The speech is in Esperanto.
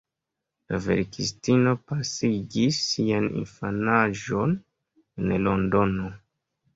La verkistino pasigis sian infanaĝon en Londono.